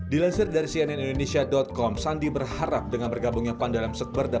dilansir dari cnn indonesia com sandi berharap dengan bergabungnya pan dalam sekber